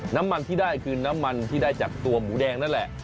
น้ำมันที่ได้คือน้ำมันที่ได้จากตัวหมูแดงนั่นแหละ